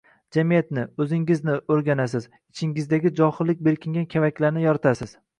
jamiyatni, o‘zingizni o‘rganasiz, ichingizdagi johillik bekingan kavaklarni yoritasiz